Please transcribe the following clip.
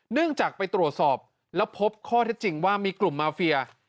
เนื่องจากไปตรวจสอบแล้วพบข้อเท็จจริงว่ามีกลุ่มมาเฟีย